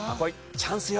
チャンスよ